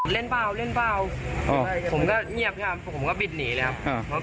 เล่นเปล่าผมก็เงียบผมก็บิดหนีเลยครับ